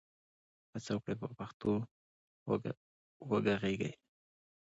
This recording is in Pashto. هڅه وکړئ په پښتو وږغېږئ.